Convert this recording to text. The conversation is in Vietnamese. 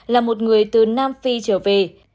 là một người từ nam phi trở về